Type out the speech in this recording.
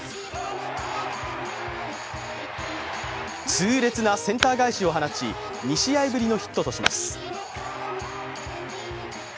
痛烈なセンター返しを放ち２試合ぶりのヒットとします。